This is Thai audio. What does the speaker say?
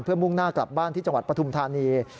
มุ่งหน้ากลับบ้านที่จังหวัดปฐุมธานี